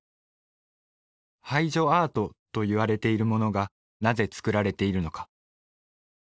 「排除アート」といわれているものがなぜ作られているのか？